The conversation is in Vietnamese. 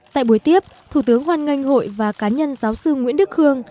tại buổi tiếp thủ tướng hoan nghênh hội và cá nhân giáo sư nguyễn đức khương